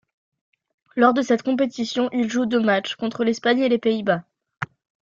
Lors de cette compétition, il joue deux matchs, contre l'Espagne et les Pays-Bas.